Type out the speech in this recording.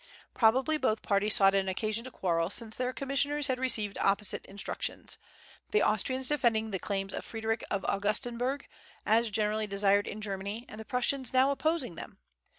Probably both parties sought an occasion to quarrel, since their commissioners had received opposite instructions, the Austrians defending the claims of Frederick of Augustenburg, as generally desired in Germany, and the Prussians now opposing them.